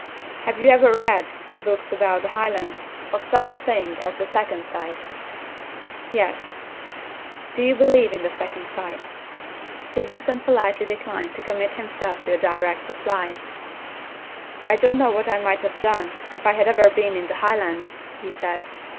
"Have you ever read, in books about the Highlands, of such a thing as 'The Second Sight'?" "Yes." "Do you believe in the Second Sight?" Steventon politely declined to commit himself to a direct reply. "I don't know what I might have done, if I had ever been in the Highlands," he said.